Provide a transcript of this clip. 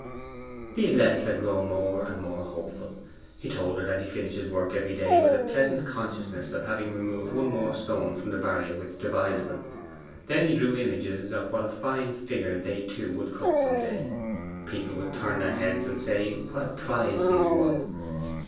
These letters had grown more and more hopeful. He told her that he finished his work every day with a pleasant consciousness of having removed one more stone from the barrier which divided them. Then he drew images of what a fine figure they two would cut some day. People would turn their heads and say, 'What a prize he has won!